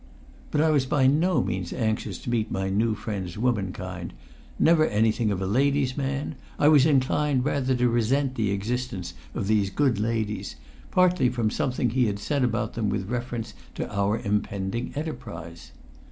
But I was by no means anxious to meet my new friend's womankind; never anything of a lady's man, I was inclined rather to resent the existence of these good ladies, partly from something he had said about them with reference to our impending enterprise.